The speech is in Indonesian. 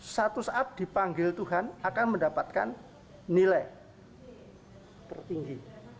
satu saat dipanggil tuhan akan mendapatkan nilai tertinggi